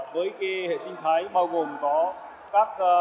với hệ sinh thái bao gồm có các hệ sinh thái